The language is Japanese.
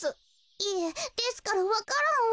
いえですからわか蘭を。